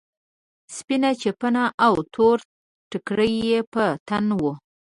سپينه چپن او تور ټيکری يې په تن و.